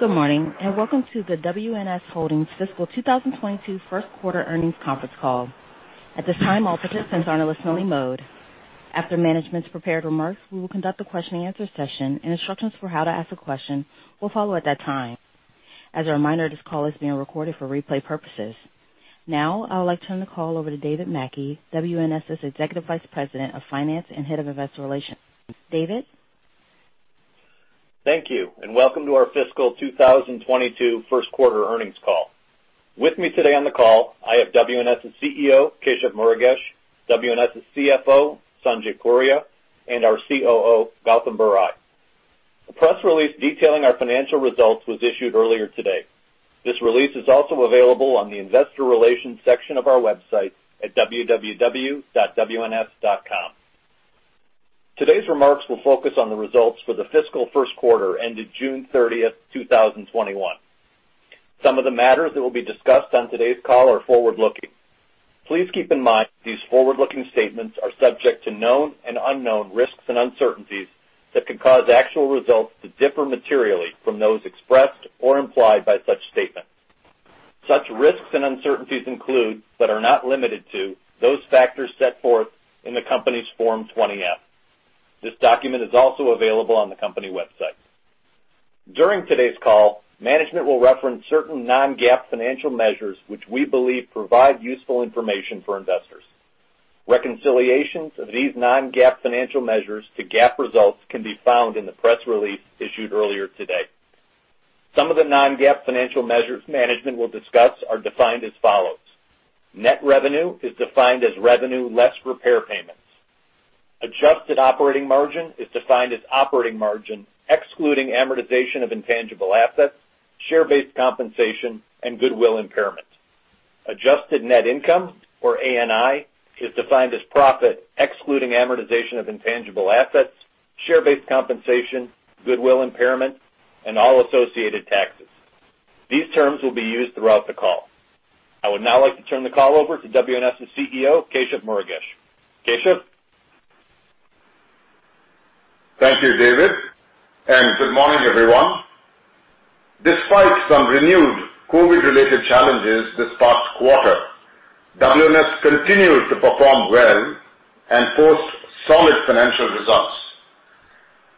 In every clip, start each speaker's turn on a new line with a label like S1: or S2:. S1: Good morning. Welcome to the WNS Holdings Fiscal 2022 First Quarter Earnings Conference Call. At this time, all participants are in a listen-only mode. After management's prepared remarks, we will conduct a question-and-answer session. Instructions for how to ask a question will follow at that time. As a reminder, this call is being recorded for replay purposes. I would like to turn the call over to David Mackey, WNS's Executive Vice President of Finance and Head of Investor Relations. David?
S2: Thank you, welcome to our Fiscal 2022 First Quarter Earnings Call. With me today on the call, I have WNS's CEO, Keshav Murugesh, WNS's CFO, Sanjay Puria, and our COO, Gautam Barai. A press release detailing our financial results was issued earlier today. This release is also available on the investor relations section of our website at www.wns.com. Today's remarks will focus on the results for the fiscal first quarter ended June 30th, 2021. Some of the matters that will be discussed on today's call are forward-looking. Please keep in mind these forward-looking statements are subject to known and unknown risks and uncertainties that could cause actual results to differ materially from those expressed or implied by such statements. Such risks and uncertainties include, but are not limited to, those factors set forth in the company's Form 20-F. This document is also available on the company website. During today's call, management will reference certain non-GAAP financial measures which we believe provide useful information for investors. Reconciliations of these non-GAAP financial measures to GAAP results can be found in the press release issued earlier today. Some of the non-GAAP financial measures management will discuss are defined as follows. Net revenue is defined as revenue less repair payments. Adjusted operating margin is defined as operating margin excluding amortization of intangible assets, share-based compensation, and goodwill impairment. Adjusted net income, or ANI, is defined as profit excluding amortization of intangible assets, share-based compensation, goodwill impairment, and all associated taxes. These terms will be used throughout the call. I would now like to turn the call over to WNS's CEO, Keshav Murugesh. Keshav?
S3: Thank you, David, and good morning, everyone. Despite some renewed COVID-related challenges this past quarter, WNS continued to perform well and post solid financial results.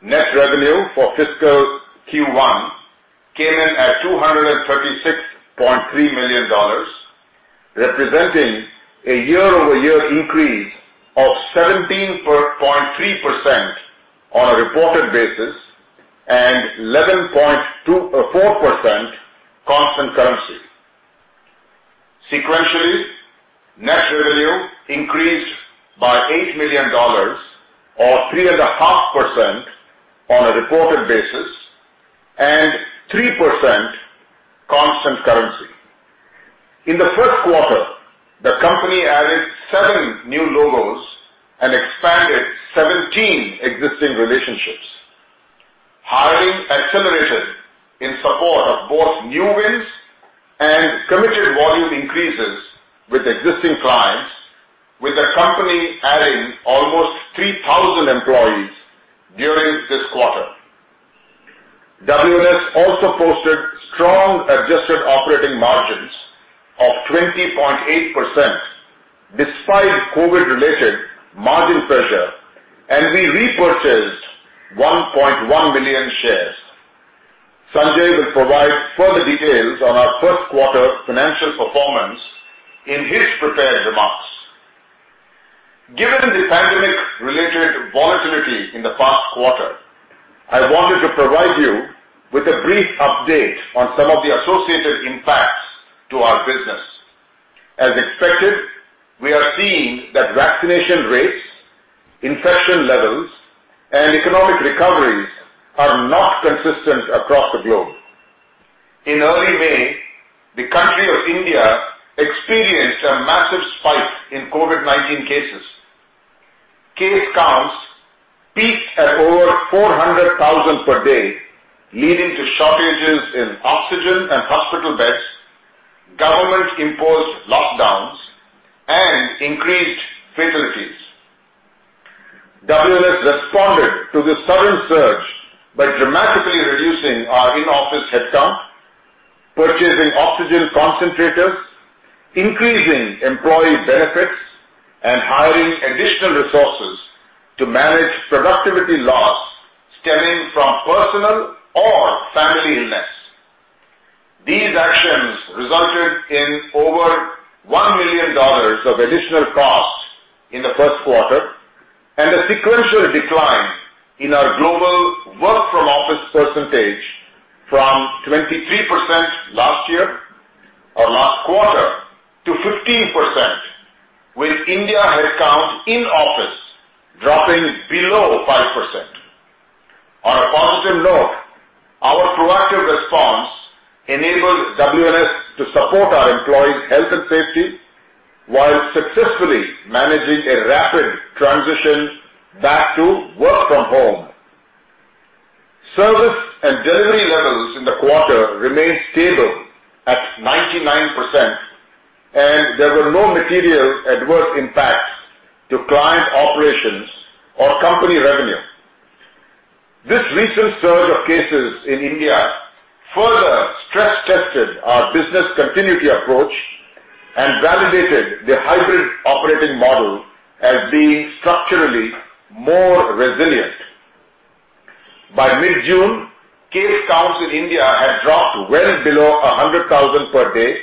S3: Net revenue for fiscal Q1 came in at $236.3 million, representing a year-over-year increase of 17.3% on a reported basis and 11.4% constant currency. Sequentially, net revenue increased by $8 million or 3.5% on a reported basis and 3% constant currency. In the first quarter, the company added seven new logos and expanded 17 existing relationships. Hiring accelerated in support of both new wins and committed volume increases with existing clients, with the company adding almost 3,000 employees during this quarter. WNS also posted strong adjusted operating margins of 20.8% despite COVID-related margin pressure, and we repurchased 1.1 million shares. Sanjay will provide further details on our first quarter financial performance in his prepared remarks. Given the pandemic-related volatility in the past quarter, I wanted to provide you with a brief update on some of the associated impacts to our business. As expected, we are seeing that vaccination rates, infection levels, and economic recoveries are not consistent across the globe. In early May, the country of India experienced a massive spike in COVID-19 cases. Case counts peaked at over 400,000 per day, leading to shortages in oxygen and hospital beds, government-imposed lockdowns, and increased fatalities. WNS responded to this sudden surge by dramatically reducing our in-office headcount, purchasing oxygen concentrators, increasing employee benefits, and hiring additional resources to manage productivity loss stemming from personal or family illness. These actions resulted in over $1 million of additional costs in the first quarter and a sequential decline in our global work from office percentage from 23% last quarter to 15%, with India headcount in office dropping below 5%. On a positive note, our proactive response enabled WNS to support our employees' health and safety while successfully managing a rapid transition back to work from home. Service and delivery levels in the quarter remained stable at 99%, and there were no material adverse impacts to clients. Our company revenue. This recent surge of cases in India further stress-tested our business continuity approach and validated the hybrid operating model as being structurally more resilient. By mid-June, case counts in India had dropped well below 100,000 per day,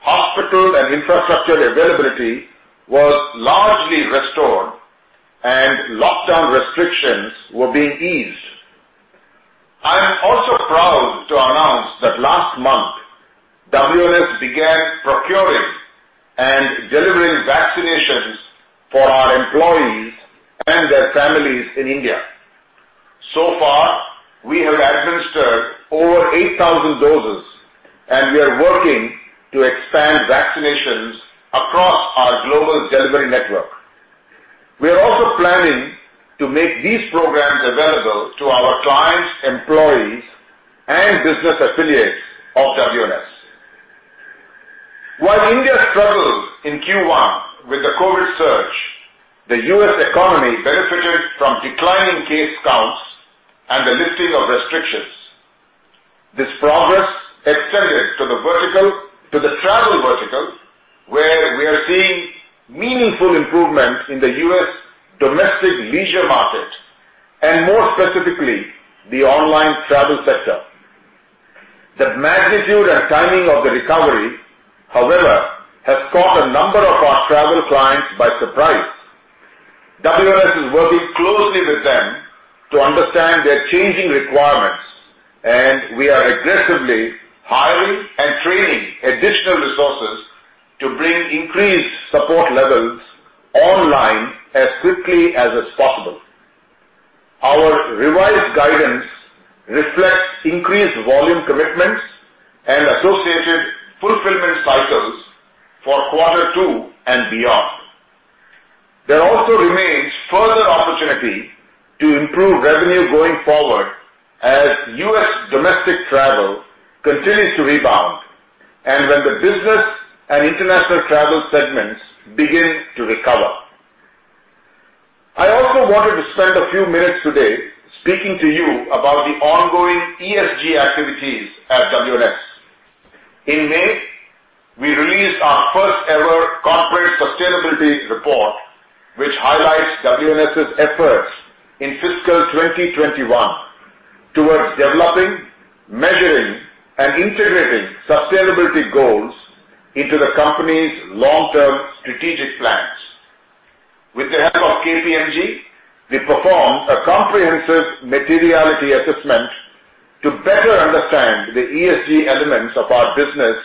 S3: hospital and infrastructure availability was largely restored, and lockdown restrictions were being eased. I am also proud to announce that last month, WNS began procuring and delivering vaccinations for our employees and their families in India. So far, we have administered over 8,000 doses, and we are working to expand vaccinations across our global delivery network. We are also planning to make these programs available to our clients, employees, and business affiliates of WNS. While India struggled in Q1 with the COVID surge, the U.S. economy benefited from declining case counts and the lifting of restrictions. This progress extended to the travel vertical, where we are seeing meaningful improvements in the U.S. domestic leisure market and more specifically, the online travel sector. The magnitude and timing of the recovery, however, has caught a number of our travel clients by surprise. WNS is working closely with them to understand their changing requirements, and we are aggressively hiring and training additional resources to bring increased support levels online as quickly as is possible. Our revised guidance reflects increased volume commitments and associated fulfillment cycles for quarter two and beyond. There also remains further opportunity to improve revenue going forward as U.S. domestic travel continues to rebound and when the business and international travel segments begin to recover. I also wanted to spend a few minutes today speaking to you about the ongoing ESG activities at WNS. In May, we released our first-ever corporate sustainability report, which highlights WNS's efforts in fiscal 2021 towards developing, measuring, and integrating sustainability goals into the company's long-term strategic plans. With the help of KPMG, we performed a comprehensive materiality assessment to better understand the ESG elements of our business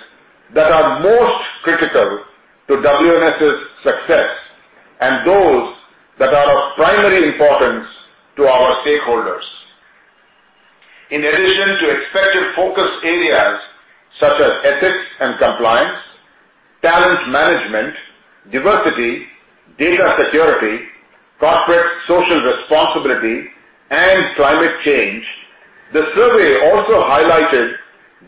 S3: that are most critical to WNS's success and those that are of primary importance to our stakeholders. In addition to expected focus areas such as ethics and compliance, talent management, diversity, data security, corporate social responsibility, and climate change, the survey also highlighted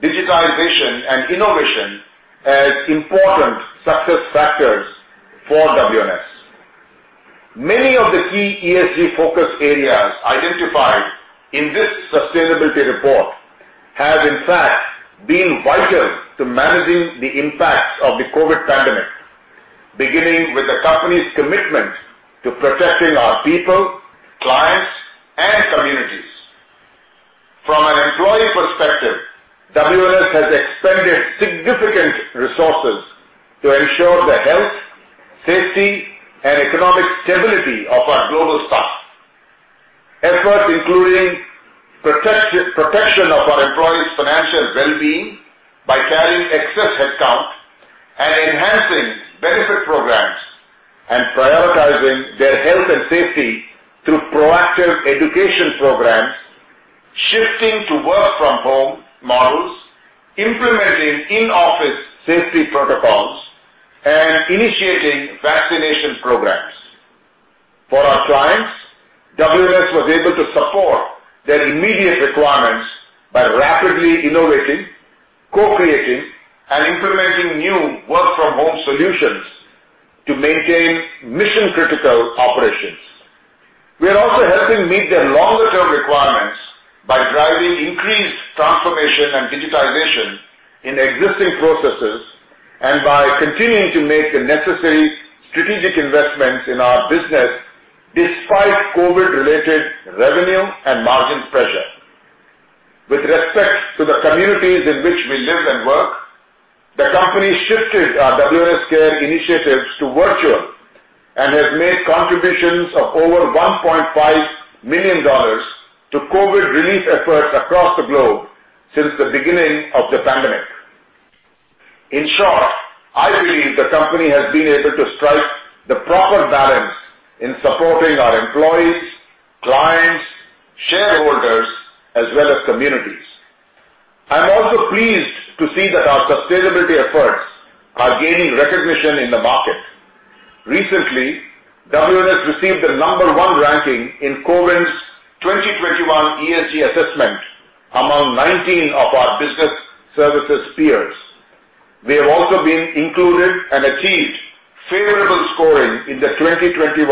S3: digitization and innovation as important success factors for WNS. Many of the key ESG focus areas identified in this one sustainability report have in fact been vital to managing the impacts of the COVID pandemic, beginning with the company's commitment to protecting our people, clients, and communities. From an employee perspective, WNS has expended significant resources to ensure the health, safety, and economic stability of our global staff. Efforts including protection of our employees' financial well-being by carrying excess head count and enhancing benefit programs and prioritizing their health and safety through proactive education programs, shifting to work-from-home models, implementing in-office safety protocols, and initiating vaccination programs. For our clients, WNS was able to support their immediate requirements by rapidly innovating, co-creating, and implementing new work-from-home solutions to maintain mission-critical operations. We are also helping meet their longer-term requirements by driving increased transformation and digitization in existing processes and by continuing to make the necessary strategic investments in our business despite COVID-related revenue and margin pressure. With respect to the communities in which we live and work, the company shifted our WNS Care initiatives to virtual and has made contributions of over $1.5 million to COVID relief efforts across the globe since the beginning of the pandemic. In short, I believe the company has been able to strike the proper balance in supporting our employees, clients, shareholders, as well as communities. I am also pleased to see that our sustainability efforts are gaining recognition in the market. Recently, WNS received the number one ranking in Cowen's 2021 ESG assessment among 19 of our business services peers. We have also been included and achieved favorable scoring in the 2021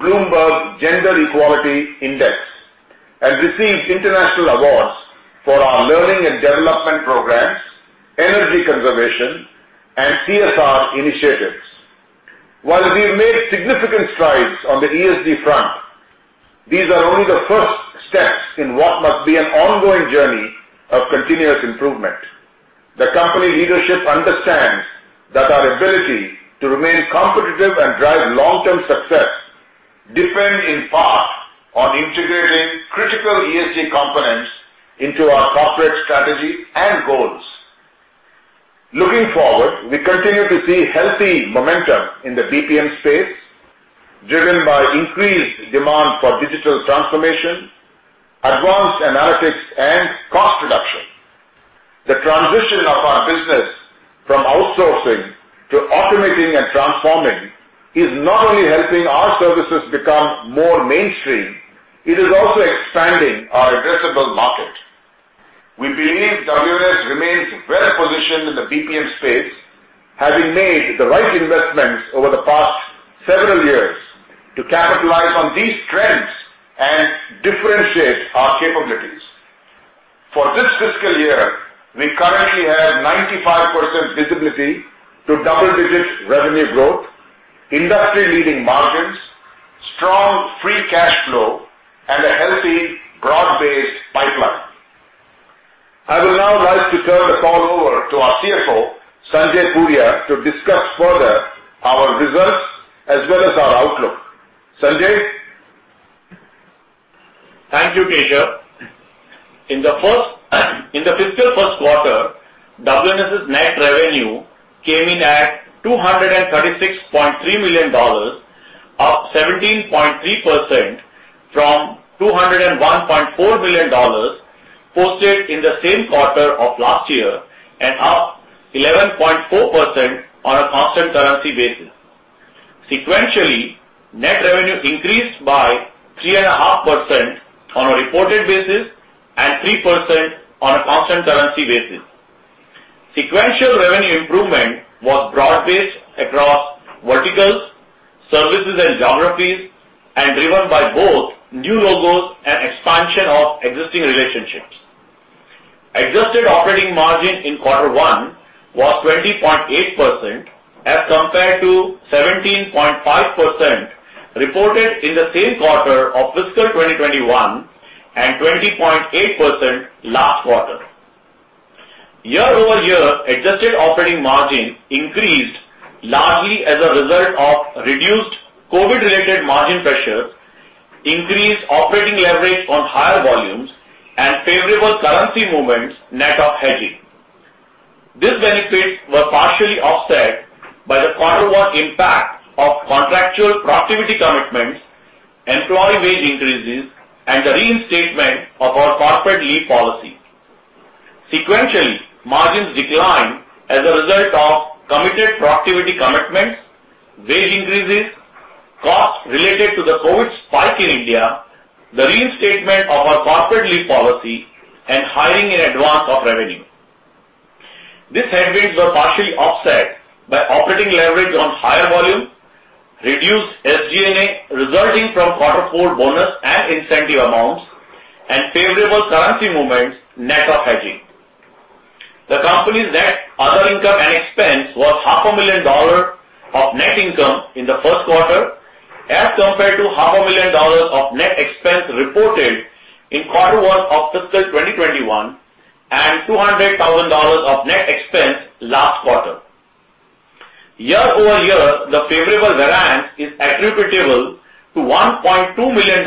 S3: Bloomberg Gender-Equality Index, and received international awards for our learning and development programs, energy conservation, and CSR initiatives. While we have made significant strides on the ESG front, these are only the first steps in what must be an ongoing journey of continuous improvement. The company leadership understands that our ability to remain competitive and drive long-term success depend in part on integrating critical ESG components into our corporate strategy and goals. Looking forward, we continue to see healthy momentum in the BPM space, driven by increased demand for digital transformation, advanced analytics, and cost reduction. The transition of our business from outsourcing to automating and transforming is not only helping our services become more mainstream, it is also expanding our addressable market. We believe WNS remains well-positioned in the BPM space, having made the right investments over the past several years to capitalize on these trends and differentiate our capabilities. For this fiscal year, we currently have 95% visibility to double-digit revenue growth, industry-leading margins, strong free cash flow, and a healthy broad-based pipeline. I would now like to turn the call over to our CFO, Sanjay Puria, to discuss further our results as well as our outlook. Sanjay?
S4: Thank you, Keshav. In the fiscal first quarter, WNS' net revenue came in at $236.3 million, up 17.3% from $201.4 million posted in the same quarter of last year, and up 11.4% on a constant currency basis. Sequentially, net revenue increased by 3.5% on a reported basis and 3% on a constant currency basis. Sequential revenue improvement was broad-based across verticals, services, and geographies, and driven by both new logos and expansion of existing relationships. Adjusted operating margin in quarter one was 20.8%, as compared to 17.5% reported in the same quarter of fiscal 2021 and 20.8% last quarter. Year-over-year adjusted operating margin increased largely as a result of reduced COVID-related margin pressures, increased operating leverage on higher volumes, and favorable currency movements net of hedging. These benefits were partially offset by the quarter one impact of contractual productivity commitments, employee wage increases, and the reinstatement of our corporate leave policy. Sequentially, margins declined as a result of committed productivity commitments, wage increases, costs related to the COVID-19 spike in India, the reinstatement of our corporate leave policy, and hiring in advance of revenue. These headwinds were partially offset by operating leverage on higher volume, reduced SG&A resulting from quarter four bonus and incentive amounts, and favorable currency movements net of hedging. The company's net other income and expense was $500,000 of net income in the first quarter, as compared to $500,000 of net expense reported in quarter one of fiscal 2021 and $200,000 of net expense last quarter. Year-over-year, the favorable variance is attributable to $1.2 million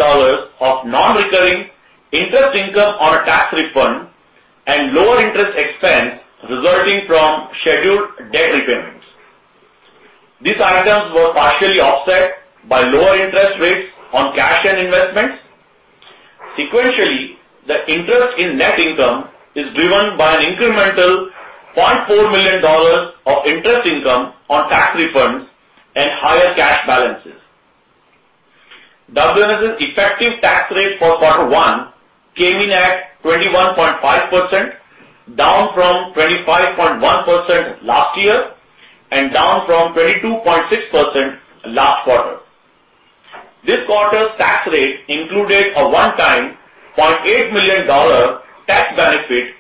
S4: of non-recurring interest income on a tax refund and lower interest expense resulting from scheduled debt repayments. These items were partially offset by lower interest rates on cash and investments. Sequentially, the interest in net income is driven by an incremental $0.4 million of interest income on tax refunds and higher cash balances. WNS' effective tax rate for quarter one came in at 21.5%, down from 25.1% last year and down from 22.6% last quarter. This quarter's tax rate included a one-time $0.8 million tax benefit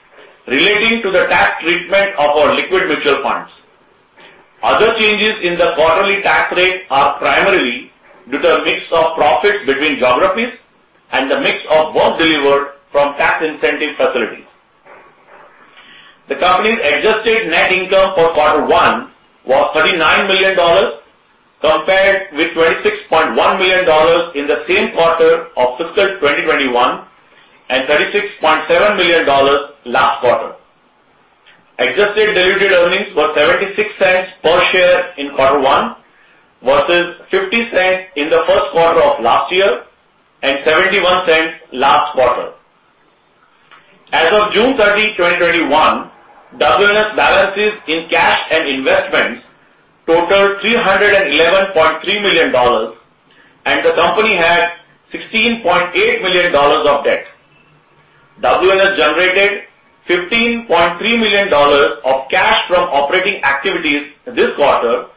S4: relating to the tax treatment of our liquid mutual funds. Other changes in the quarterly tax rate are primarily due to a mix of profits between geographies and the mix of work delivered from tax incentive facilities. The company's adjusted net income for quarter one was $39 million, compared with $26.1 million in the same quarter of fiscal 2021 and $36.7 million last quarter. Adjusted diluted earnings were $0.76 per share in quarter one versus $0.50 in the first quarter of last year and $0.71 last quarter. As of June 30, 2021, WNS balances in cash and investments totaled $311.3 million, and the company had $16.8 million of debt. WNS generated $15.3 million of cash from operating activities this quarter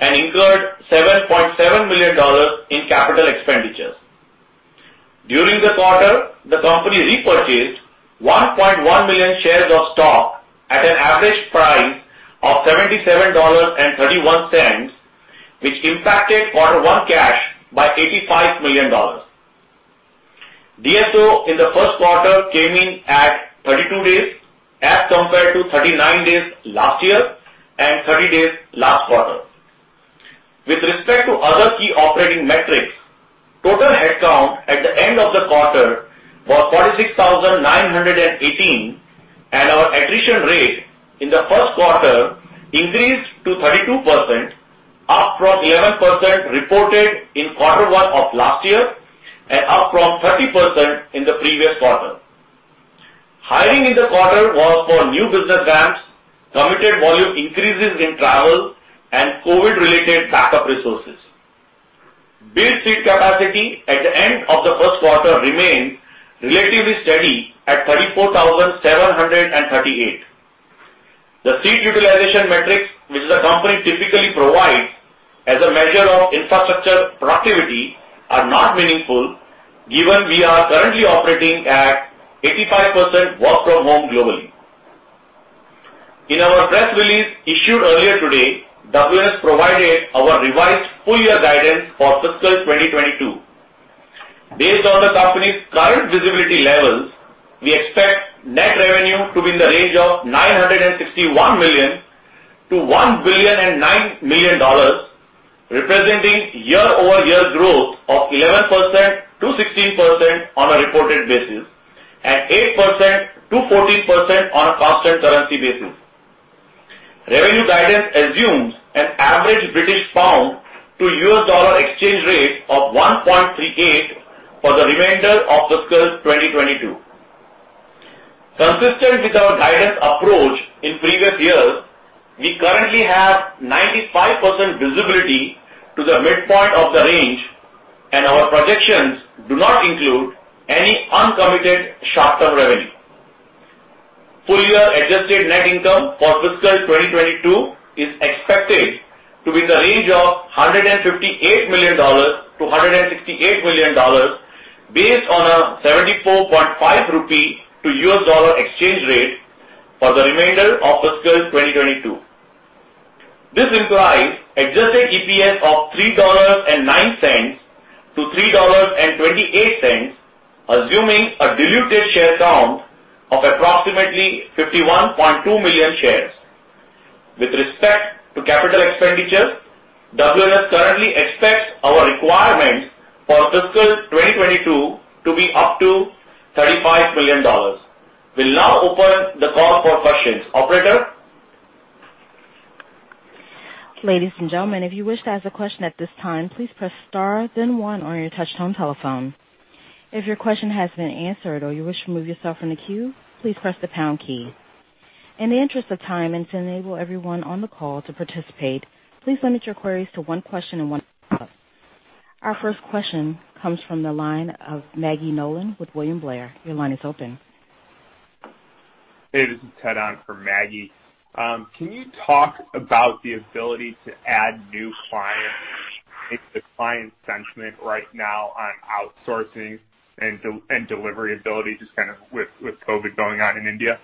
S4: and incurred $7.7 million in capital expenditures. During this quarter, the company repurchased 1.1 million shares of stock at an average price of $77.31, which impacted quarter one cash by $85 million. DSO in the first quarter came in at 22 days, as compared to 39 days last year and 30 days last quarter. With respect to other key operating metrics, total headcount at the end of the quarter was 46,918, and our attrition rate in the first quarter increased to 32%, up from 11% reported in quarter one of last year and up from 30% in the previous quarter. Hiring in the quarter was for new business ramps, committed volume increases in travel, and COVID-related backup resources. Built seat capacity at the end of the first quarter remained relatively steady at 34,738. The seat utilization metrics, which the company typically provides as a measure of infrastructure productivity, are not meaningful, given we are currently operating at 85% work from home globally. In our press release issued earlier today, WNS provided our revised full-year guidance for fiscal 2022. Based on the company's current visibility levels, we expect net revenue to be in the range of $961 million-$1.009 billion, representing year-over-year growth of 11%-16% on a reported basis and 8%-14% on a constant currency basis. Revenue guidance assumes an average British pound to US dollar exchange rate of 1.38 for the remainder of fiscal 2022. Consistent with our guidance approach in previous years, we currently have 95% visibility to the midpoint of the range, and our projections do not include any uncommitted short-term revenue. Full-year adjusted net income for fiscal 2022 is expected to be in the range of $158 million-$168 million, based on a 74.5 rupee to US dollar exchange rate for the remainder of fiscal 2022. This implies adjusted EPS of $3.09-$3.28, assuming a diluted share count of approximately 51.2 million shares. With respect to capital expenditures, WNS currently expects our requirements for fiscal 2022 to be up to $35 million. We'll now open the call for questions. Operator?
S1: Ladies and gentlemen, if you wish to ask a question at this time, please press star then one on your touchtone telephone. If your question has been answered or you wish to remove yourself from the queue, please press the pound key. In the interest of time and to enable everyone on the call to participate, please limit your queries to one question and one follow-up. Our first question comes from the line of Maggie Nolan with William Blair. Your line is open.
S5: Hey, this is Ted Ahn for Maggie. Can you talk about the ability to add new clients, the client sentiment right now on outsourcing and delivery ability, just kind of with COVID going on in India?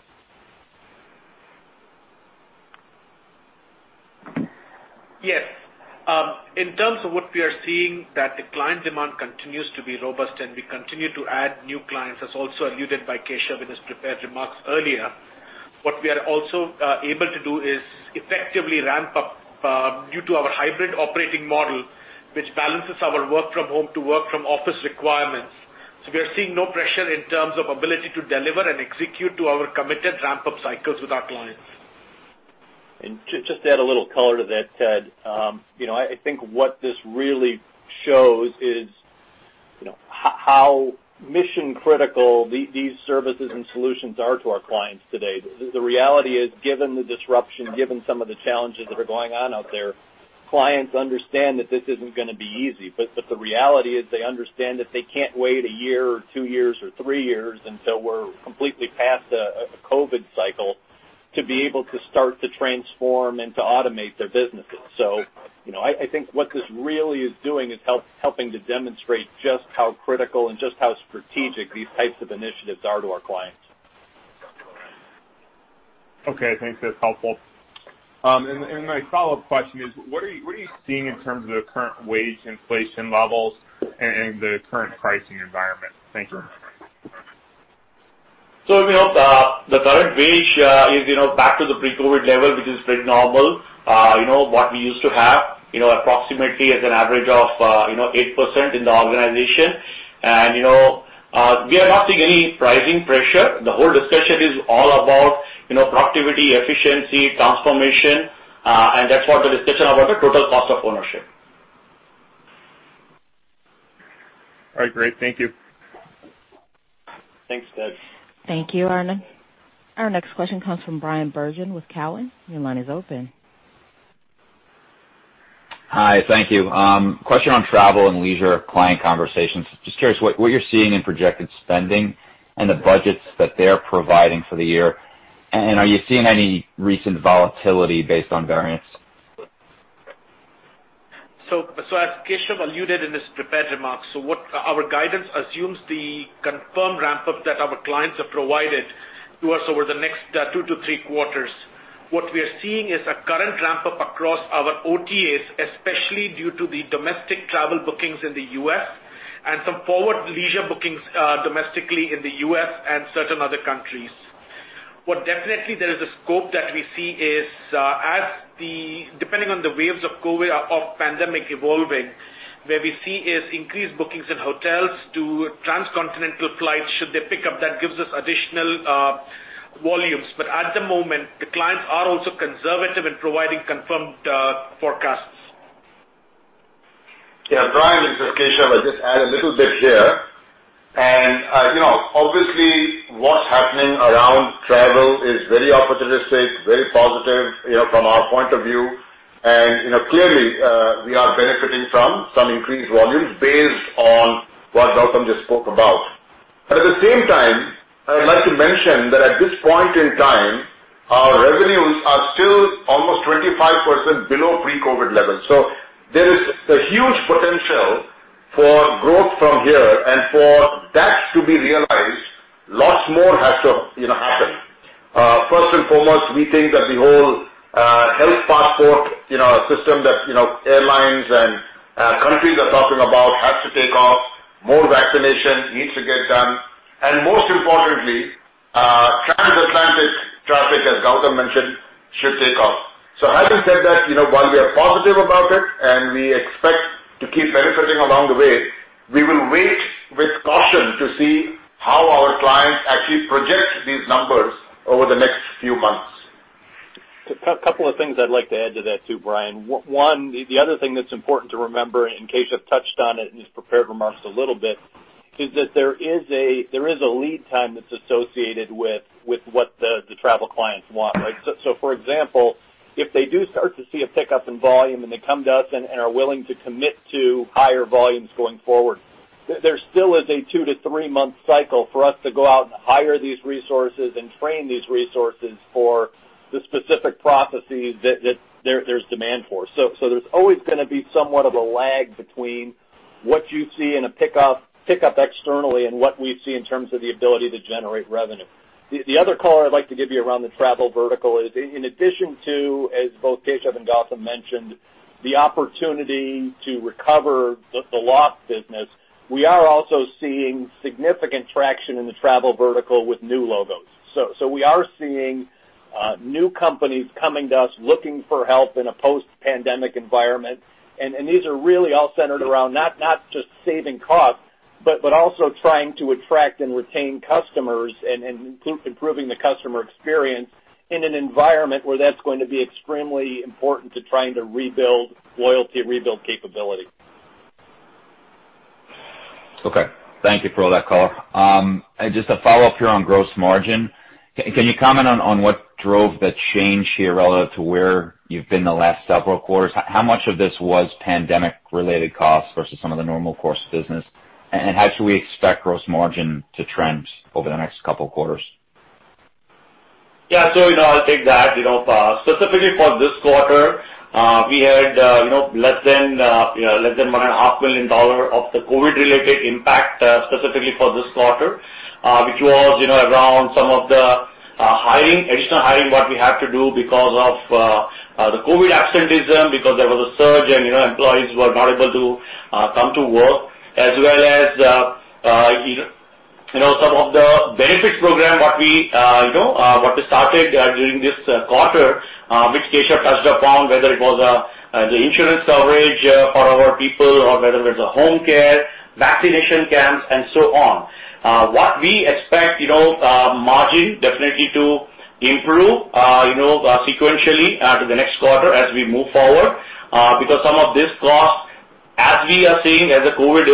S6: In terms of what we are seeing, that the client demand continues to be robust and we continue to add new clients, as also alluded by Keshav in his prepared remarks earlier. What we are also able to do is effectively ramp up due to our hybrid operating model, which balances our work from home to work from office requirements. We are seeing no pressure in terms of ability to deliver and execute to our committed ramp-up cycles with our clients.
S3: Just to add a little color to that, Ted. I think what this really shows is how mission-critical these services and solutions are to our clients today. The reality is, given the disruption, given some of the challenges that are going on out there, clients understand that this isn't going to be easy. The reality is they understand that they can't wait a year or two years or three years until we're completely past a COVID cycle to be able to start to transform and to automate their businesses. I think what this really is doing is helping to demonstrate just how critical and just how strategic these types of initiatives are to our clients.
S5: Okay. Thanks. That's helpful. My follow-up question is, what are you seeing in terms of the current wage inflation levels and the current pricing environment? Thank you.
S4: The current wage is back to the pre-COVID level, which is very normal, what we used to have approximately at an average of 8% in the organization. We are not seeing any pricing pressure. The whole discussion is all about productivity, efficiency, transformation, and therefore the discussion about the total cost of ownership.
S5: All right, great. Thank you.
S2: Thanks, Ted.
S1: Thank you, Ahn. Our next question comes from Bryan Bergin with Cowen. Your line is open.
S7: Hi, thank you. Question on travel and leisure client conversations. Just curious what you're seeing in projected spending and the budgets that they're providing for the year, and are you seeing any recent volatility based on variance?
S6: As Keshav alluded in his prepared remarks, our guidance assumes the confirmed ramp-up that our clients have provided to us over the next two-three quarters. What we are seeing is a current ramp-up across our OTAs, especially due to the domestic travel bookings in the U.S. and some forward leisure bookings domestically in the U.S. and certain other countries. What definitely there is a scope that we see is, depending on the waves of pandemic evolving, where we see is increased bookings in hotels to transcontinental flights, should they pick up, that gives us additional volumes. At the moment, the clients are also conservative in providing confirmed forecasts.
S3: Yeah. Bryan, this is Keshav. I'll just add a little bit here. Obviously, what's happening around travel is very opportunistic, very positive from our point of view. Clearly, we are benefiting from some increased volumes based on what Gautam just spoke about. At the same time, I would like to mention that at this point in time, our revenues are still almost 25% below pre-COVID-19 levels. There is a huge potential for growth from here, and for that to be realized, lots more has to happen. First and foremost, we think that the whole health passport system that airlines and countries are talking about has to take off. More vaccination needs to get done. Most importantly, trans-Atlantic traffic, as Gautam mentioned, should take off. Having said that, while we are positive about it and we expect to keep benefiting along the way, we will wait with caution to see how our clients actually project these numbers over the next few months.
S2: A couple of things I'd like to add to that too, Bryan. One, the other thing that's important to remember, and Keshav touched on it in his prepared remarks a little bit, is that there is a lead time that's associated with what the travel clients want, right? For example, if they do start to see a pickup in volume and they come to us and are willing to commit to higher volumes going forward, there still is a two-three month cycle for us to go out and hire these resources and train these resources for the specific processes that there's demand for. There's always gonna be somewhat of a lag between what you see in a pickup externally and what we see in terms of the ability to generate revenue. The other color I'd like to give you around the travel vertical is, in addition to, as both Keshav and Gautam mentioned, the opportunity to recover the lost business, we are also seeing significant traction in the travel vertical with new logos. We are seeing new companies coming to us looking for help in a post-pandemic environment, and these are really all centered around not just saving costs, but also trying to attract and retain customers and improving the customer experience in an environment where that's going to be extremely important to trying to rebuild loyalty, rebuild capability.
S7: Thank you for all that color. Just a follow-up here on gross margin. Can you comment on what drove the change here relative to where you've been the last several quarters? How much of this was pandemic-related costs versus some of the normal course of business, and how should we expect gross margin to trend over the next couple quarters?
S4: Yeah. I'll take that. Specifically for this quarter, we had less than $1.5 million of the COVID-related impact specifically for this quarter, which was around some of the additional hiring what we had to do because of the COVID absenteeism, because there was a surge and employees were not able to come to work, as well as some of the benefits program, what we started during this quarter, which Keshav touched upon, whether it was the insurance coverage for our people or whether it's a home care, vaccination camps, and so on. We expect margin definitely to improve sequentially to the next quarter as we move forward, because some of this cost, as we are seeing as the COVID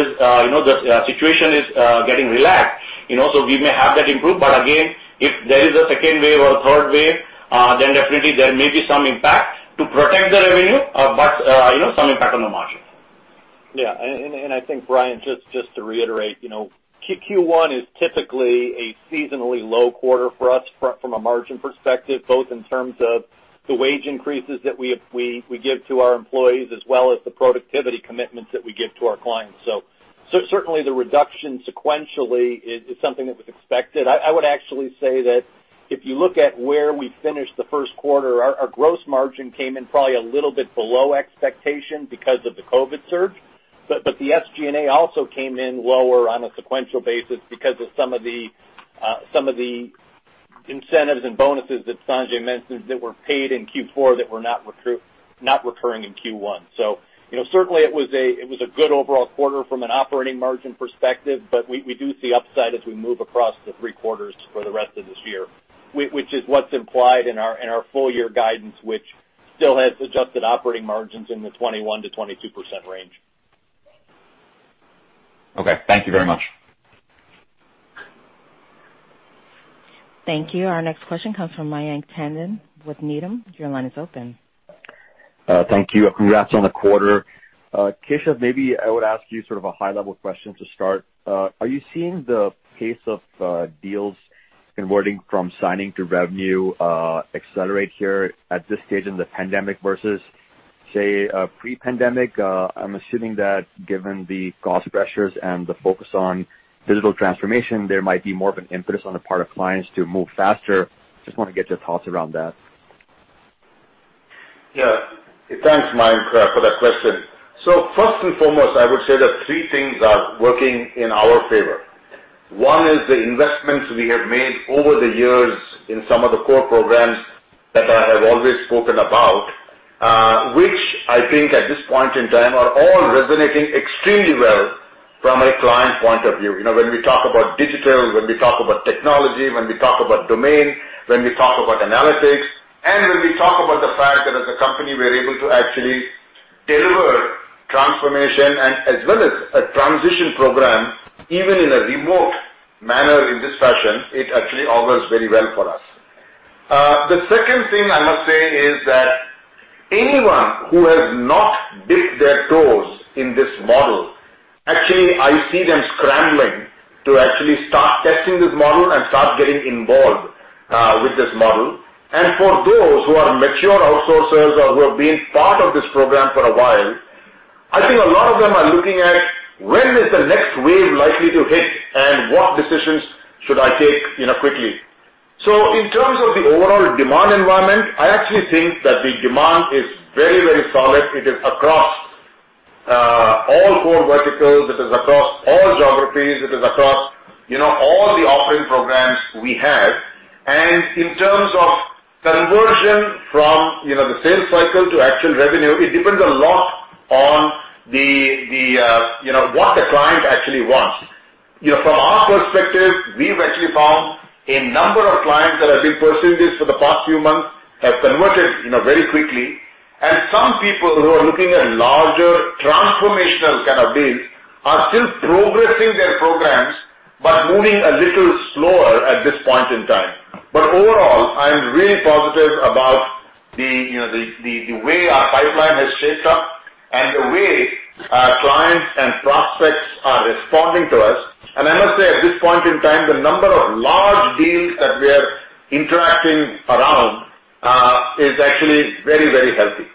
S4: situation is getting relaxed. We may have that improve, but again, if there is a second wave or third wave, then definitely there may be some impact to protect the revenue, but some impact on the margin.
S2: Yeah. I think, Bryan, just to reiterate, Q1 is typically a seasonally low quarter for us from a margin perspective, both in terms of the wage increases that we give to our employees, as well as the productivity commitments that we give to our clients. Certainly the reduction sequentially is something that was expected. I would actually say that if you look at where we finished the first quarter, our gross margin came in probably a little bit below expectation because of the COVID surge. The SG&A also came in lower on a sequential basis because of some of the incentives and bonuses that Sanjay mentioned that were paid in Q4 that were not recurring in Q1. Certainly it was a good overall quarter from an operating margin perspective, but we do see upside as we move across the three quarters for the rest of this year, which is what's implied in our full year guidance, which still has adjusted operating margins in the 21%-22% range.
S7: Okay. Thank you very much.
S1: Thank you. Our next question comes from Mayank Tandon with Needham. Your line is open.
S8: Thank you. Congrats on the quarter. Keshav, maybe I would ask you sort of a high-level question to start. Are you seeing the pace of deals converting from signing to revenue accelerate here at this stage in the pandemic versus, say, pre-pandemic? I'm assuming that given the cost pressures and the focus on digital transformation, there might be more of an impetus on the part of clients to move faster. Just want to get your thoughts around that.
S3: Thanks, Mayank, for that question. First and foremost, I would say that three things are working in our favor. One is the investments we have made over the years in some of the core programs that I have always spoken about, which I think at this point in time are all resonating extremely well from a client point of view. When we talk about digital, when we talk about technology, when we talk about domain, when we talk about analytics, and when we talk about the fact that as a company, we are able to actually deliver transformation and as well as a transition program, even in a remote manner in this fashion, it actually augurs very well for us. The second thing I must say is that anyone who has not dipped their toes in this model, actually, I see them scrambling to actually start testing this model and start getting involved with this model. For those who are mature outsourcers or who have been part of this program for a while, I think a lot of them are looking at when is the next wave likely to hit and what decisions should I take quickly. In terms of the overall demand environment, I actually think that the demand is very solid. It is across all core verticals. It is across all geographies. It is across all the offering programs we have. In terms of conversion from the sales cycle to actual revenue, it depends a lot on what the client actually wants. From our perspective, we've actually found a number of clients that have been pursuing this for the past few months have converted very quickly. Some people who are looking at larger transformational kind of deals are still progressing their programs, but moving a little slower at this point in time. Overall, I am really positive about the way our pipeline has shaped up and the way our clients and prospects are responding to us. I must say, at this point in time, the number of large deals that we are interacting around is actually very healthy.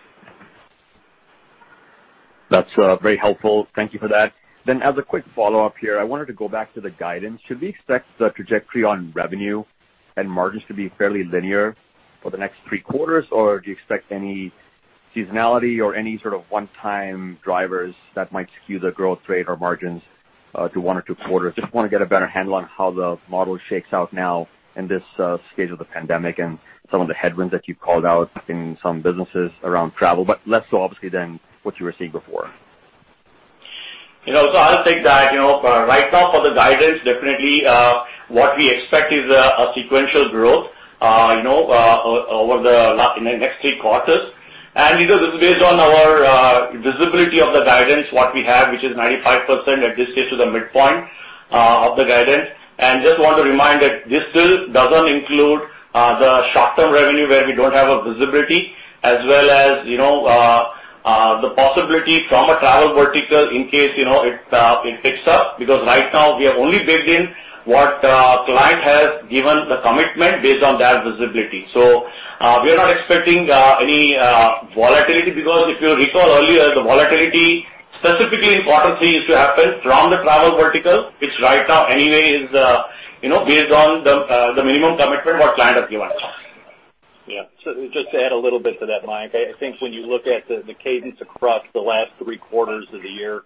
S8: That's very helpful. Thank you for that. As a quick follow-up here, I wanted to go back to the guidance. Should we expect the trajectory on revenue and margins to be fairly linear for the next three quarters, or do you expect any seasonality or any sort of 1-time drivers that might skew the growth rate or margins to one or two quarters? Just want to get a better handle on how the model shakes out now in this stage of the pandemic and some of the headwinds that you've called out in some businesses around travel, but less so obviously than what you were seeing before.
S3: I'll take that. Right now for the guidance, definitely, what we expect is a sequential growth over the next three quarters. This is based on our visibility of the guidance, what we have, which is 95% at this stage to the midpoint of the guidance. Just want to remind that this still doesn't include the short-term revenue where we don't have a visibility as well as the possibility from a travel vertical in case it picks up, because right now we have only baked in what client has given the commitment based on their visibility. We are not expecting any volatility because if you recall earlier, the volatility specifically in quarter three is to happen from the travel vertical, which right now anyway is based on the minimum commitment what client have given us.
S2: Yeah. Just to add a little bit to that, Mayank. I think when you look at the cadence across the last three quarters of the year,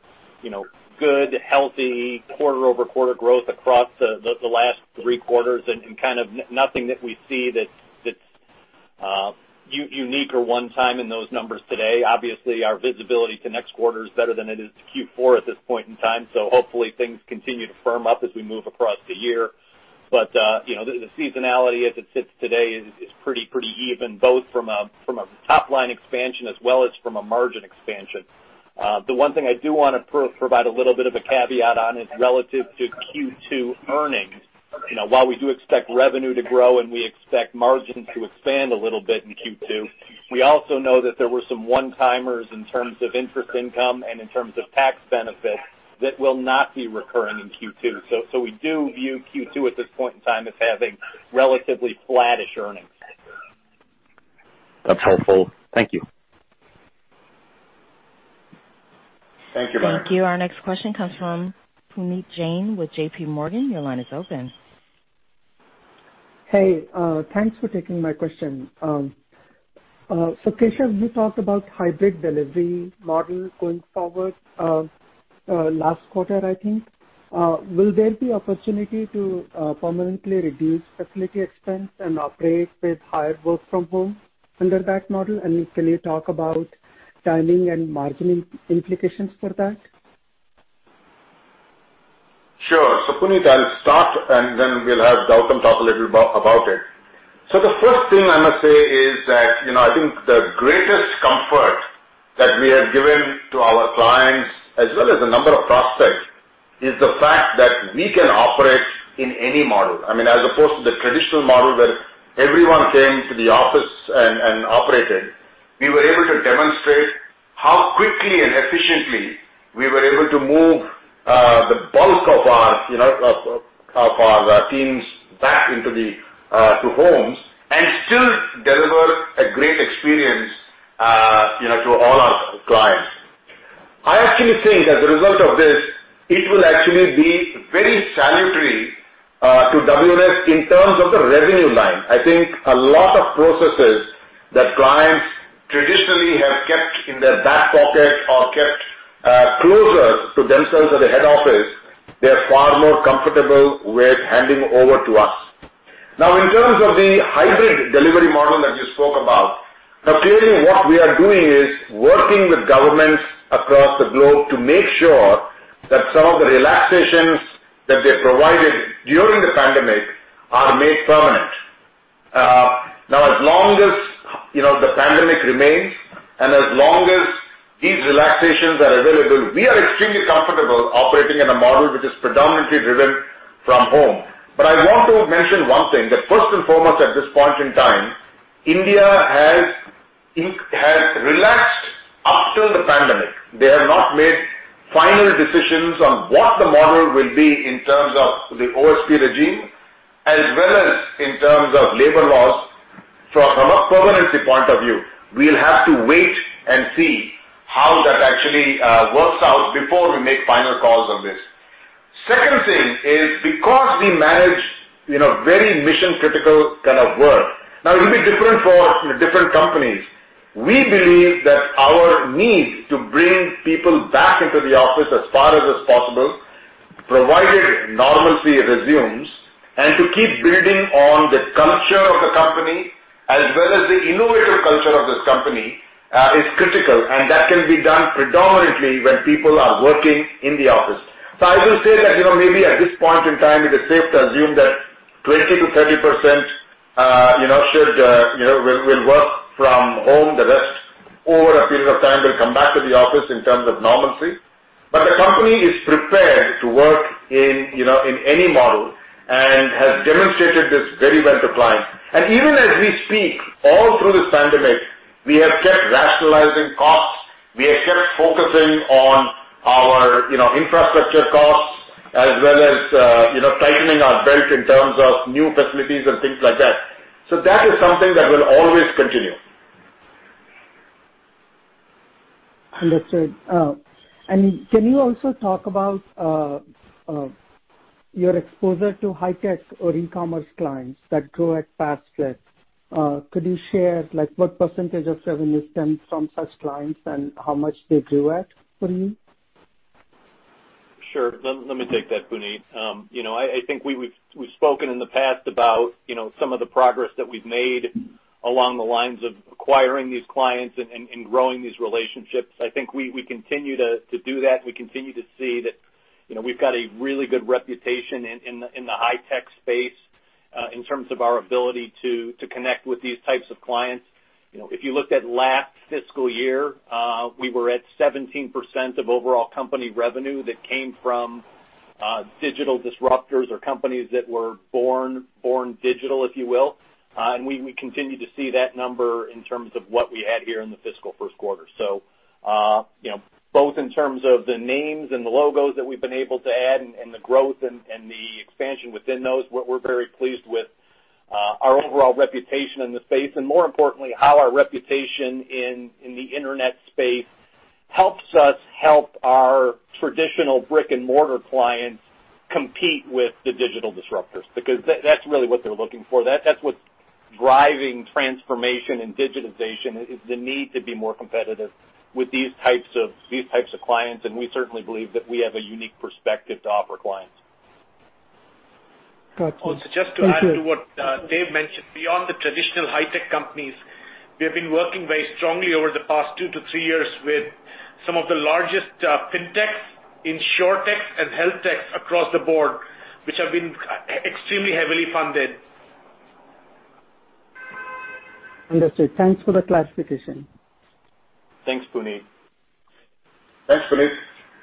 S2: good, healthy quarter-over-quarter growth across the last three quarters and kind of nothing that we see that's unique or one time in those numbers today. Obviously, our visibility to next quarter is better than it is to Q4 at this point in time. Hopefully things continue to firm up as we move across the year. The seasonality as it sits today is pretty even both from a top-line expansion as well as from a margin expansion. The one thing I do want to provide a little bit of a caveat on is relative to Q2 earnings. While we do expect revenue to grow and we expect margin to expand a little bit in Q2, we also know that there were some one-timers in terms of interest income and in terms of tax benefits that will not be recurring in Q2. We do view Q2 at this point in time as having relatively flattish earnings.
S8: That's helpful. Thank you.
S3: Thank you, Mayank.
S1: Thank you. Our next question comes from Puneet Jain with JPMorgan. Your line is open.
S9: Hey. Thanks for taking my question. Keshav, you talked about hybrid delivery model going forward last quarter, I think. Will there be opportunity to permanently reduce facility expense and operate with higher work from home under that model? Can you talk about timing and margining implications for that?
S3: Sure. Puneet, I'll start, and then we'll have Gautam talk a little about it. The first thing I must say is that, I think the greatest comfort that we have given to our clients, as well as a number of prospects, is the fact that we can operate in any model. As opposed to the traditional model where everyone came to the office and operated, we were able to demonstrate how quickly and efficiently we were able to move the bulk of our teams back into homes and still deliver a great experience to all our clients. I actually think, as a result of this, it will actually be very salutary to WNS in terms of the revenue line. I think a lot of processes that clients traditionally have kept in their back pocket or kept closer to themselves or their head office, they're far more comfortable with handing over to us. Now, in terms of the hybrid delivery model that you spoke about, clearly what we are doing is working with governments across the globe to make sure that some of the relaxations that they provided during the pandemic are made permanent. Now, as long as the pandemic remains, and as long as these relaxations are available, we are extremely comfortable operating in a model which is predominantly driven from home. I want to mention one thing, that first and foremost, at this point in time, India has relaxed up till the pandemic. They have not made final decisions on what the model will be in terms of the OSP regime, as well as in terms of labor laws from a permanency point of view. We'll have to wait and see how that actually works out before we make final calls on this. Second thing is because we manage very mission-critical kind of work. It will be different for different companies. We believe that our need to bring people back into the office as far as is possible, provided normalcy resumes, and to keep building on the culture of the company, as well as the innovative culture of this company, is critical, and that can be done predominantly when people are working in the office. I will say that, maybe at this point in time, it is safe to assume that 20%-30% will work from home. The rest, over a period of time, will come back to the office in terms of normalcy. The company is prepared to work in any model and has demonstrated this very well to clients. Even as we speak, all through this pandemic, we have kept rationalizing costs. We have kept focusing on our infrastructure costs as well as tightening our belt in terms of new facilities and things like that. That is something that will always continue.
S9: Understood. Can you also talk about your exposure to high-tech or e-commerce clients that grew at fast rates? Could you share what percentage of revenue is coming from such clients and how much they grew at, David?
S2: Sure. Let me take that, Puneet. I think we've spoken in the past about some of the progress that we've made along the lines of acquiring these clients and growing these relationships. I think we continue to do that. We continue to see that we've got a really good reputation in the high-tech space in terms of our ability to connect with these types of clients. If you looked at last fiscal year, we were at 17% of overall company revenue that came from digital disruptors or companies that were born digital, if you will. We continue to see that number in terms of what we had here in the fiscal first quarter. Both in terms of the names and the logos that we've been able to add and the growth and the expansion within those, we're very pleased with our overall reputation in the space, and more importantly, how our reputation in the internet space helps us help our traditional brick-and-mortar clients compete with the digital disruptors, because that's really what they're looking for. That's what's driving transformation and digitization, is the need to be more competitive with these types of clients, and we certainly believe that we have a unique perspective to offer clients.
S9: Got it.
S3: Just to add to what Dave mentioned. Beyond the traditional high-tech companies, we have been working very strongly over the past two-three years with some of the largest fintechs, insurtechs, and healthtechs across the board, which have been extremely heavily funded.
S9: Understood. Thanks for the clarification.
S2: Thanks, Puneet.
S3: Thanks, Puneet.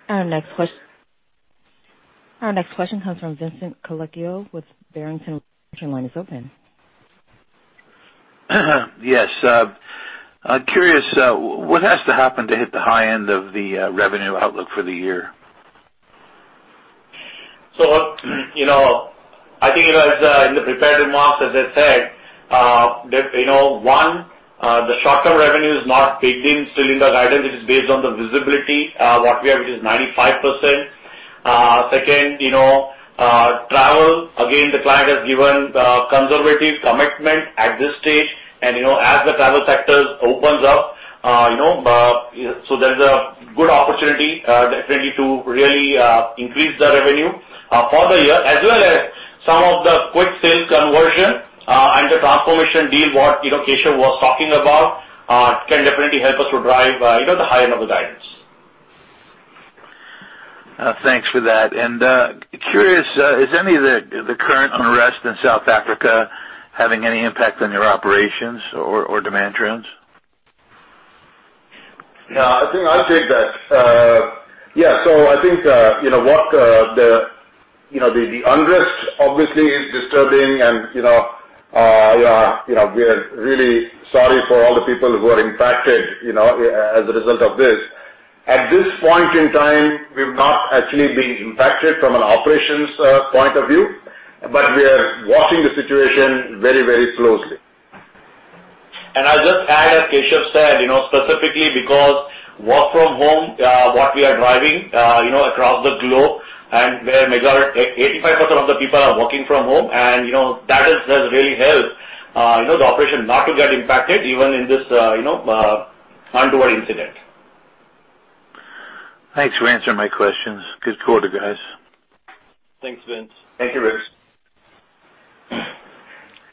S1: Our next question comes from Vincent Colicchio with Barrington. Your line is open.
S10: Yes. I'm curious, what has to happen to hit the high end of the revenue outlook for the year?
S4: I think as in the prepared remarks, as I said, that one, the shorter revenue is not baked in still in the guidance. It is based on the visibility, what we have, which is 95%. Two, travel, again, the client has given a conservative commitment at this stage, and as the travel sector opens up, there's a good opportunity definitely to really increase the revenue for the year, as well as some of the quick sales conversion and the transformation deal, what Keshav was talking about, can definitely help us to drive the higher end of the guidance.
S10: Thanks for that. Curious, is any of the current unrest in South Africa having any impact on your operations or demand trends?
S3: I think I'll take that. Yeah. I think, what the unrest obviously is disturbing and we are really sorry for all the people who are impacted as a result of this. At this point in time, we've not actually been impacted from an operations point of view, but we are watching the situation very closely.
S6: I'll just add, as Keshav said, specifically because work from home, what we are driving, across the globe and where 85% of the people are working from home. That has really helped the operation not to get impacted even in this untoward incident.
S10: Thanks for answering my questions. Good quarter, guys.
S2: Thanks, Vince.
S4: Thank you, Vince.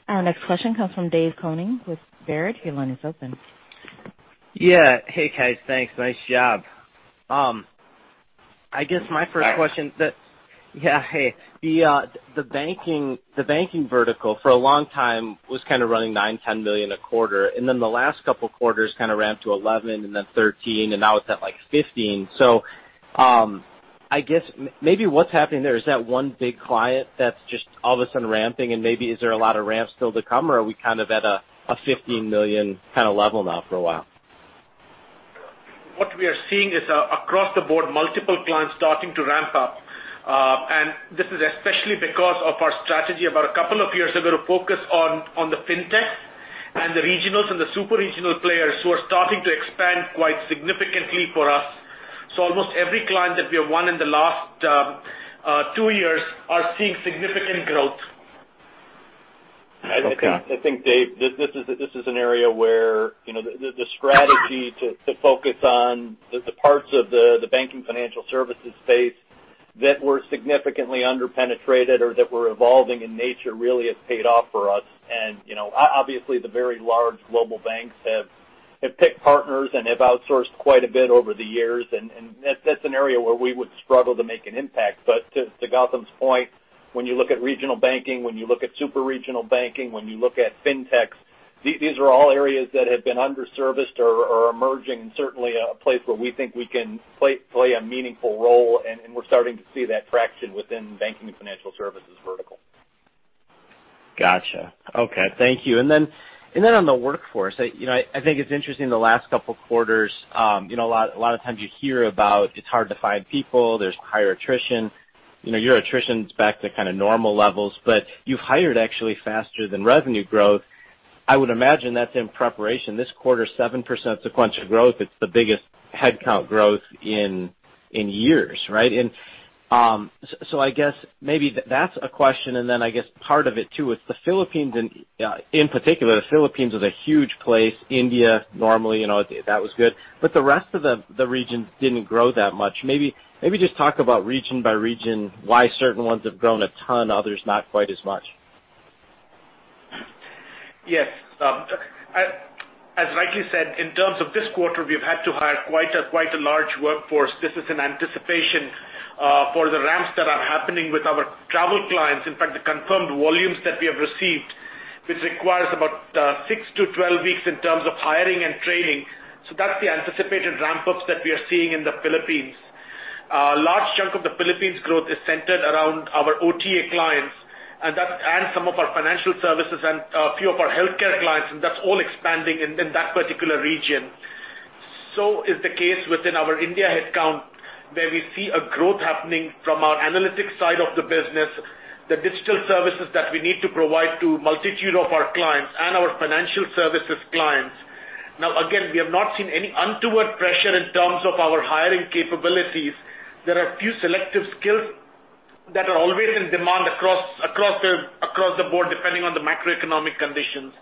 S1: Our next question comes from Dave Koning with Baird. Your line is open.
S11: Yeah. Hey, guys. Thanks. Nice job. I guess my first question.
S2: Hi.
S11: Yeah. Hey. The banking vertical, for a long time, was kind of running $9 million, $10 million a quarter, and then the last couple of quarters kind of ramped to $11 million and then $13 million, and now it's at, like, $15 million. I guess, maybe what's happening there, is that one big client that's just all of a sudden ramping? Maybe is there a lot of ramps still to come, or are we kind of at a $15 million kind of level now for a while?
S6: What we are seeing is, across the board, multiple clients starting to ramp up. This is especially because of our strategy about a couple of years ago, to focus on the fintech and the regionals and the super regional players who are starting to expand quite significantly for us. Almost every client that we have won in the last two years are seeing significant growth.
S2: I think, Dave, this is an area where the strategy to focus on the parts of the banking financial services space that were significantly under-penetrated or that were evolving in nature really has paid off for us. Obviously the very large global banks have picked partners and have outsourced quite a bit over the years, and that's an area where we would struggle to make an impact. To Gautam's point, when you look at regional banking, when you look at super regional banking, when you look at fintech, these are all areas that have been under-serviced or are emerging, and certainly a place where we think we can play a meaningful role, and we're starting to see that traction within banking and financial services vertical.
S11: Got you. Okay. Thank you. On the workforce, I think it's interesting, the last couple of quarters, a lot of times you hear about it's hard to find people, there's higher attrition. Your attrition's back to kind of normal levels, but you've hired actually faster than revenue growth. I would imagine that's in preparation. This quarter, 7% sequential growth, it's the biggest headcount growth in years, right? I guess maybe that's a question, and then I guess part of it too, is the Philippines in particular, the Philippines is a huge place. India, normally, that was good. The rest of the regions didn't grow that much. Maybe just talk about region by region, why certain ones have grown a ton, others not quite as much.
S4: As rightly said, in terms of this quarter, we've had to hire quite a large workforce. This is in anticipation for the ramps that are happening with our travel clients. The confirmed volumes that we have received, which requires about 6-12 weeks in terms of hiring and training. That's the anticipated ramp-ups that we are seeing in the Philippines. A large chunk of the Philippines growth is centered around our OTA clients, and some of our financial services and a few of our healthcare clients, and that's all expanding in that particular region. Is the case within our India headcount, where we see a growth happening from our analytics side of the business, the digital services that we need to provide to multitude of our clients and our financial services clients. Again, we have not seen any untoward pressure in terms of our hiring capabilities. There are a few selective skills that are always in demand across the board, depending on the macroeconomic conditions.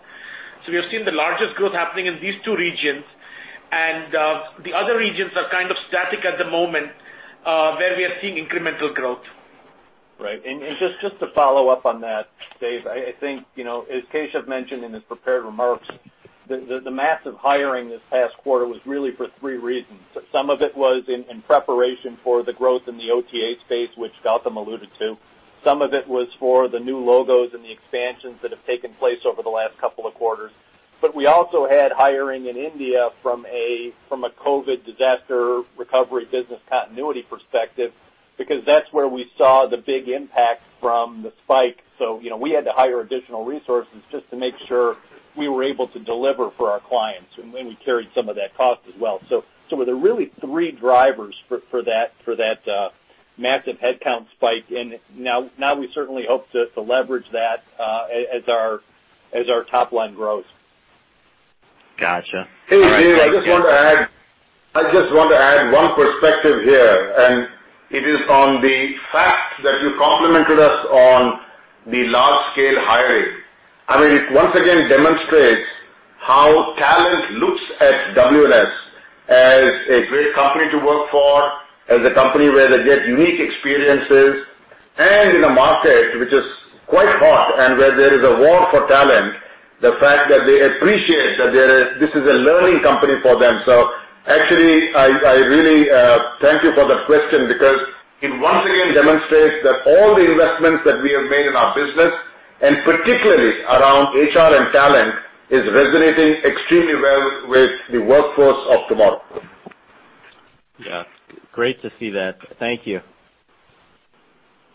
S4: We have seen the largest growth happening in these two regions, and the other regions are kind of static at the moment, where we are seeing incremental growth.
S2: Right. Just to follow up on that, Dave, I think, as Keshav mentioned in his prepared remarks, the massive hiring this past quarter was really for three reasons. Some of it was in preparation for the growth in the OTA space, which Gautam alluded to. Some of it was for the new logos and the expansions that have taken place over the last couple of quarters. We also had hiring in India from a COVID disaster recovery business continuity perspective, because that's where we saw the big impact from the spike. We had to hire additional resources just to make sure we were able to deliver for our clients, and we carried some of that cost as well. There were really three drivers for that massive headcount spike. Now we certainly hope to leverage that as our top line grows.
S11: Got you. Alright, thank you.
S6: Hey, Dave, I just want to add one perspective here, and it is on the fact that you complimented us on the large-scale hiring. I mean, it once again demonstrates how talent looks at WNS as a great company to work for, as a company where they get unique experiences. In a market which is quite hot and where there is a war for talent, the fact that they appreciate that this is a learning company for them. Actually, I really thank you for that question because it once again demonstrates that all the investments that we have made in our business, and particularly around HR and talent, is resonating extremely well with the workforce of tomorrow.
S11: Yeah. Great to see that. Thank you.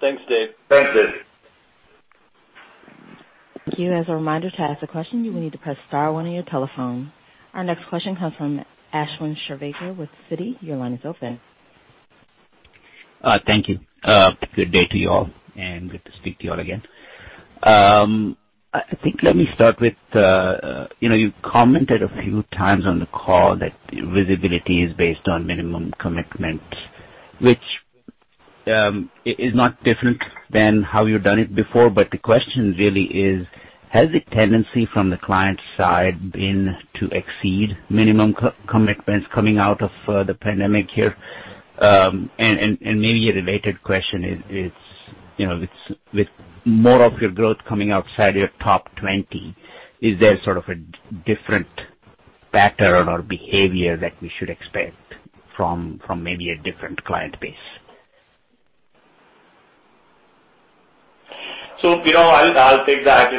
S2: Thanks, Dave.
S6: Thanks, Dave.
S1: As a reminder, to ask a question, you need to press star one on your telephone. Our next question comes from Ashwin Shirvaikar with Citi. Your line is open.
S12: Thank you. Good day to you all, and good to speak to you all again. I think let me start with, you commented a few times on the call that visibility is based on minimum commitment, which is not different than how you've done it before. The question really is, has the tendency from the client side been to exceed minimum commitments coming out of the pandemic here? Maybe a related question is, with more of your growth coming outside your top 20, is there sort of a different pattern or behavior that we should expect from maybe a different client base?
S4: I'll take that.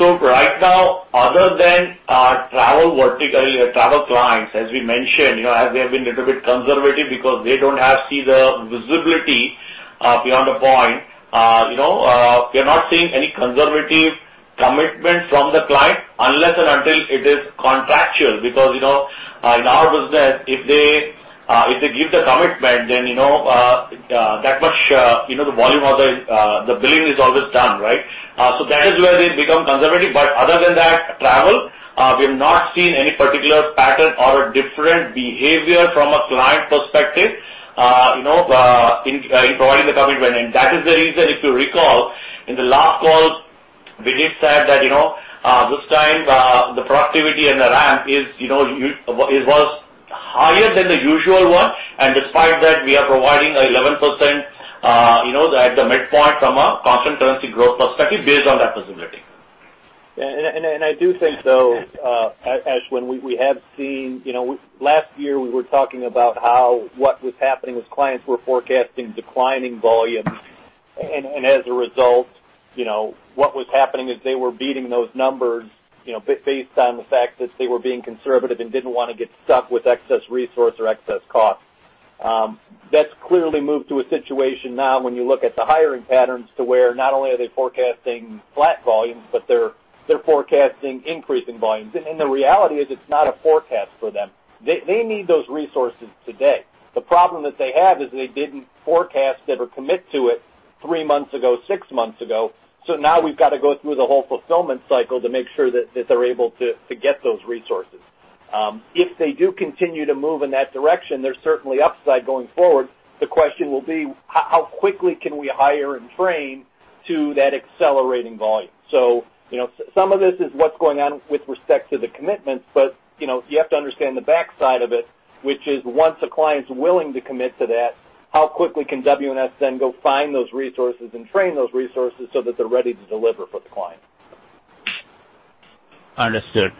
S4: Right now, other than our travel vertical, travel clients, as we mentioned, as we have been a little bit conservative because they don't see the visibility beyond the point. We are not seeing any conservative commitment from the client unless and until it is contractual, because in our business, if they give the commitment, then that much volume of the billing is always done, right? That is where they become conservative. Other than that, travel, we have not seen any particular pattern or a different behavior from a client perspective in providing the commitment. That is the reason, if you recall, in the last call, Vijay said that this time the productivity and the ramp it was higher than the usual one. Despite that, we are providing 11% at the midpoint from a constant currency growth perspective based on that visibility.
S2: I do think, though, Ashwin, last year, we were talking about what was happening was clients were forecasting declining volumes. As a result, what was happening is they were beating those numbers, based on the fact that they were being conservative and didn't want to get stuck with excess resource or excess cost. That's clearly moved to a situation now when you look at the hiring patterns to where not only are they forecasting flat volumes, but they're forecasting increase in volumes. The reality is it's not a forecast for them. They need those resources today. The problem that they had is they didn't forecast or commit to it three months ago, six months ago. Now we've got to go through the whole fulfillment cycle to make sure that they're able to get those resources.
S12: If they do continue to move in that direction, there's certainly upside going forward. The question will be how quickly can we hire and train to that accelerating volume? Some of this is what's going on with respect to the commitments. You have to understand the backside of it, which is once a client's willing to commit to that, how quickly can WNS then go find those resources and train those resources so that they're ready to deliver for the client? Understood.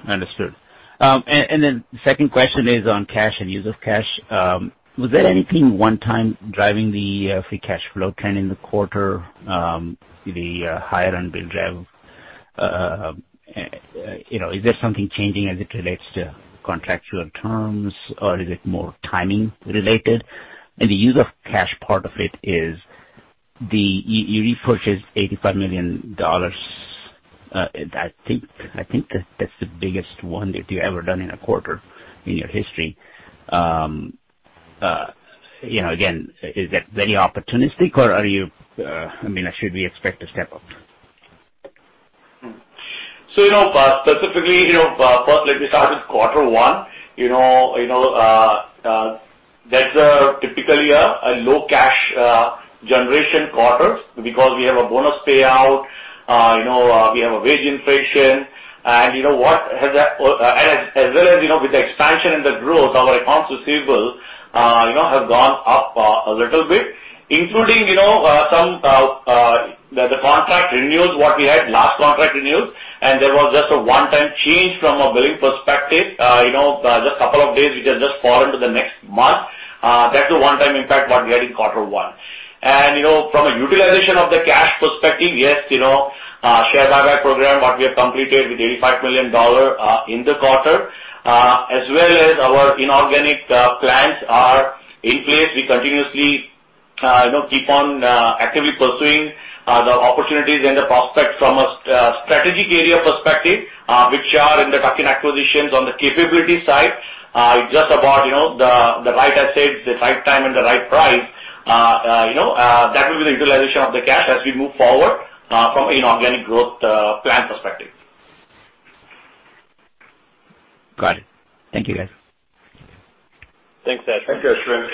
S12: The second question is on cash and use of cash. Was there anything one-time driving the free cash flow trend in the quarter, the higher end bill drive? Is there something changing as it relates to contractual terms, or is it more timing related? The use of cash part of it is the repurchase $85 million. I think that's the biggest one that you've ever done in a quarter in your history. Again, is that very opportunistic, or should we expect to step up?
S4: Specifically, first let me start with quarter one. That's typically a low cash generation quarter because we have a bonus payout, we have a wage inflation. As well as with the expansion and the growth, our accounts receivable has gone up a little bit, including the contract renewals, what we had last contract renewals. There was just a one-time change from a billing perspective just a couple of days, which has just fallen to the next month. That's a one-time impact what we had in quarter one. From a utilization of the cash perspective, yes, share buyback program, what we have completed with $85 million in the quarter, as well as our inorganic plans are in place. We continuously keep on actively pursuing the opportunities and the prospects from a strategic area perspective, which are in the tuck-in acquisitions on the capability side. It's just about the right assets, the right time, and the right price. That will be the utilization of the cash as we move forward from an organic growth plan perspective.
S12: Got it. Thank you, guys.
S2: Thanks, Ashwin.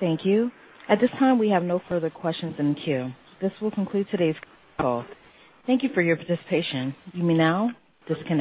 S1: Thank you. At this time, we have no further questions in queue. This will conclude today's call. Thank you for your participation. You may now disconnect.